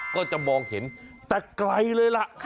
ก็จะมองเห็นแต่ไกลเลยล่ะ